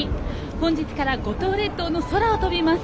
本日から五島列島の空を飛びます。